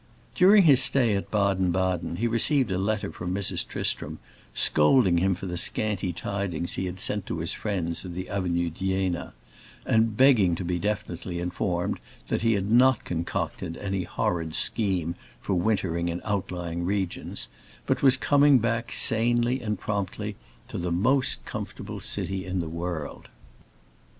During his stay at Baden Baden he received a letter from Mrs. Tristram, scolding him for the scanty tidings he had sent to his friends of the Avenue d'Iéna, and begging to be definitely informed that he had not concocted any horrid scheme for wintering in outlying regions, but was coming back sanely and promptly to the most comfortable city in the world.